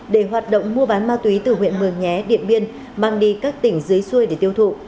để hoạt động mua bán ma túy từ huyện mường nhé điện biên mang đi các tỉnh dưới xuôi để tiêu thụ